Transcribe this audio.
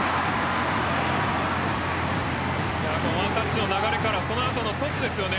ワンタッチの流れからその後のトスですよね。